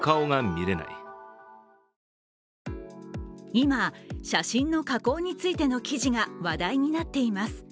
今、写真の加工についての記事が話題になっています。